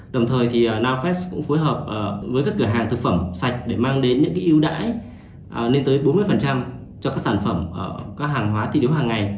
đồng thời thì nowfest cũng phối hợp với các cửa hàng thực phẩm sạch để mang đến những ưu đãi lên tới bốn mươi cho các sản phẩm các hàng hóa thi đấu hàng ngày